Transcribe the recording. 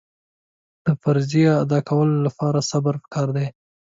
د فریضې ادا کولو لپاره صبر پکار دی.